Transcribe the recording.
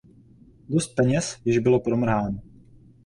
Dost peněz již bylo promrháno.